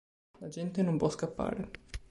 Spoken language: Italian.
La gente non può scappare!